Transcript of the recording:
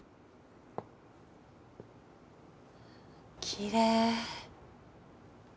きれい。